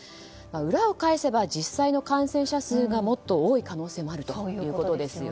裏を返せば実際の感染者数がもっと多い可能性があると。